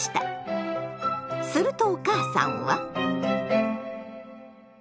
するとお母さんは。